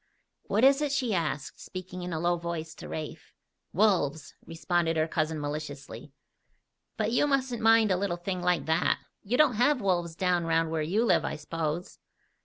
"What is it?" she asked, speaking in a low voice to Rafe. "Wolves!" responded her cousin maliciously. "But you mustn't mind a little thing like that. You don't have wolves down round where you live, I s'pose?"